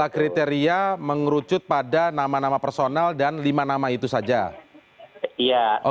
kemudian prabowo subianto